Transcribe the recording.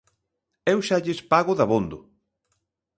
Eu xa lles pago dabondo!